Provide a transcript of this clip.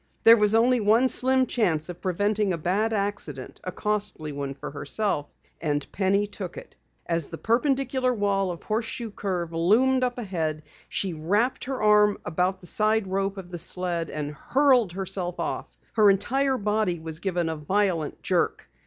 There was only one slim chance of preventing a bad accident, a costly one for herself, and Penny took it. As the perpendicular wall of Horseshoe Curve loomed up ahead, she wrapped her arm about the side rope of the sled and hurled herself off. Her entire body was given a violent jerk.